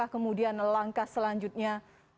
kemudian langkah selanjutnya